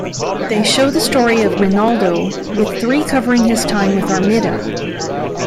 They show the story of Rinaldo, with three covering his time with Armida.